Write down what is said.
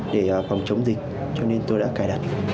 để phòng chống dịch cho nên tôi đã cài đặt